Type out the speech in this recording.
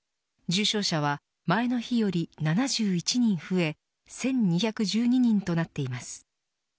重症者は前の日より７１人増え１２１２人となっています。